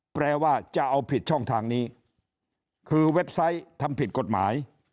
แปลว่าจะเอาผิดช่องทางนี้คือเว็บไซต์ทำผิดกฎหมาย